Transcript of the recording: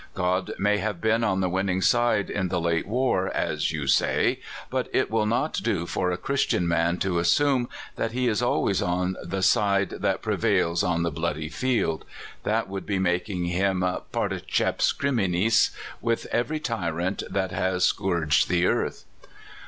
God may have been on the winning side in the late war, as you say, but it will not do for a Christian man to assume that He is always on the side that pre vails on the bloody field. That would be making him particeps crlminis Avith every tyrant that has scourged the earth."